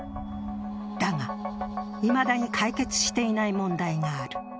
だが、いまだに解決していない問題がある。